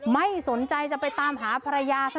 ไม่สนใจจะไปตามหาภรรยาซะด้วยซ้ำ